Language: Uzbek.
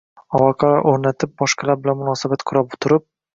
Aloqalar o‘rnatib, boshqalar bilan munosabat qura turib